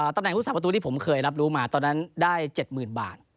ตำแหน่งผู้สาประตูที่ผมเคยรับรู้มาตอนนั้นได้๗๐๐๐บาท